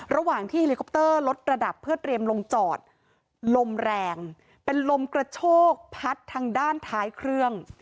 ระหว่างที่เฮลิคอปเตอร์ลดระดับเพื่อเตรียมลงจอดลมแรงเป็นลมกระโชกพัดทางด้านท้ายเครื่อง